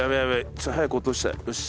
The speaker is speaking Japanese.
ちょっと早く落としたいよし。